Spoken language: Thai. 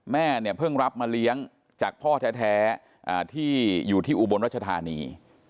แม่เนี่ยเพิ่งรับมาเลี้ยงจากพ่อแท้ที่อยู่ที่อุบลรัชธานี